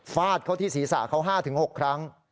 ฟาดเขาที่ศีรษะเขา๕๖ครั้ง